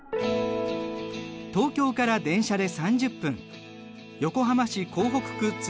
東京から電車で３０分横浜市港北区綱島。